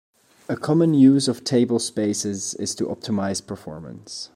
A common use of tablespaces is to optimize performance.